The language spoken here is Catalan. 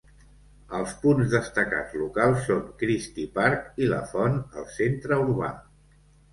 Els punts destacats locals són Christie Park i la Font al centre urbà.